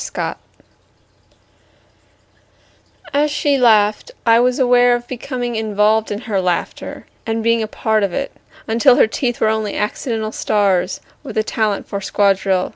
Hysteria As she laughed I was aware of becoming involved in her laughter and being part of it, until her teeth were only accidental stars with a talent for squad drill.